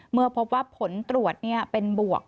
เมื่อพบว่าผลตรวจเป็นบวก